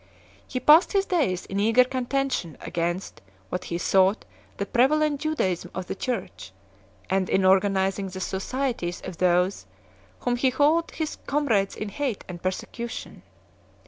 He passed his days in eager contention against what he thought the prevalent Judaism of the Church, and in organizing the societies of those whom he called his "com rades in hate and persecution."